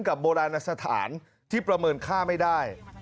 โบราณสถานที่ประเมินค่าไม่ได้